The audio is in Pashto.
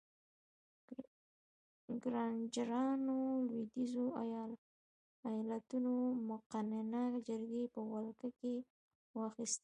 ګرانجرانو لوېدیځو ایالتونو مقننه جرګې په ولکه کې واخیستې.